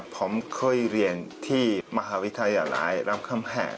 ผมเคยเรียนที่มหาวิทยาลัยรามคำแหง